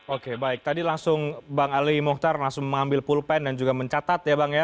oke baik tadi langsung bang ali mohtar langsung mengambil pulpen dan juga mencatat ya bang ya